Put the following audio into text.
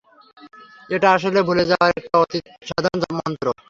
এটা আসলে ভুলে যাওয়ার একটা অতি সাধারণ মন্ত্র।